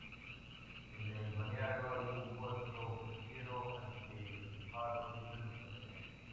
En el balneario hay un puerto pesquero al que el faro sirve constantemente.